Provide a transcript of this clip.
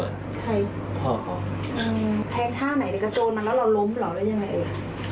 ใครพ่อเขาอืม